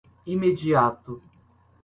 imediato